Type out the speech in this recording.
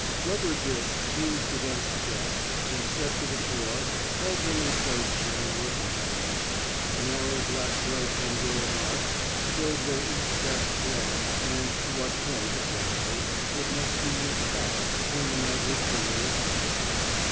Rubber disks hinged against the desks and set to the floor held them in place during working hours. Narrow black right angular marks showed where each desk belonged and to what point, exactly, it must be moved back when the nightly cleaning was finished.